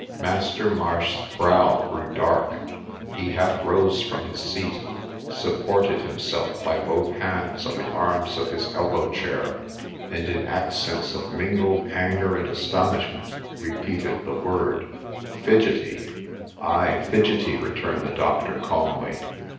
Master Marsh's brow grew dark : he half rose from his seat, supported himself by both hands on the arms of his elbow chair, and in accents of mingled anger and astonishment repeated the word ' Fidgety !'' Ay, fidgety,' returned the doctor, calmly.